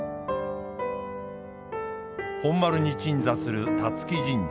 本丸に鎮座する龍城神社。